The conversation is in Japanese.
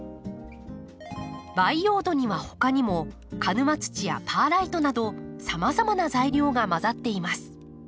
培養土にはほかにも鹿沼土やパーライトなどさまざまな材料が混ざっています。